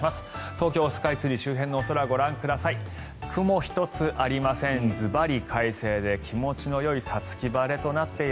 東京スカイツリー周辺のお空ご覧ください。